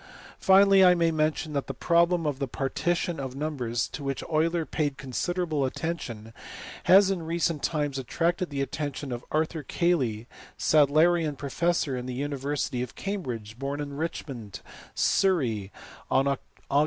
Finally I may mention that the problem of the partition of numbers, to which Euler paid considerable attention, has in recent times attracted the attention of Arthur Cayley, Sadlerian professor in the university of Cambridge, born in Richmond, Surrey, on Aug.